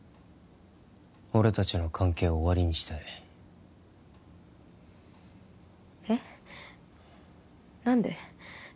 俺達の関係を終わりにしたいえっ何で？